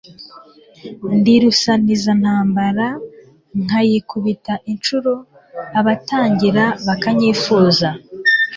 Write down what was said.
ndi rusanganirantambara, nkayikubita inshuro abatangira bakanyifuza;